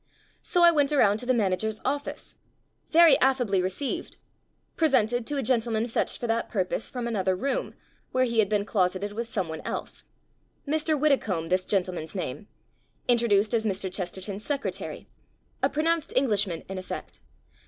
So I went around to the manager's of fice. Very affably received. Presented to a gentleman fetched for that pur pose from another room, where he had been closeted with someone else. Mr. Widdecombe, this gentleman's name. Introduced as Mr. Ghesterton's'jsecre tary. A pronounced Englishman in effect.